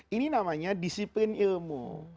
ini namanya disiplin ilmu